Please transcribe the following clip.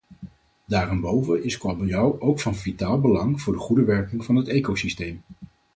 Daarenboven is kabeljauw ook van vitaal belang voor de goede werking van het ecosysteem.